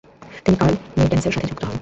তিনি কার্ল মের্টেন্সের সাথে যুক্ত হন।